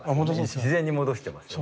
自然に戻していますよね。